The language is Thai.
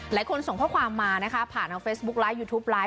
หลายคนส่งข้อความมานะคะผ่านของเฟซบุ๊คไลท์ยูทูปไลท์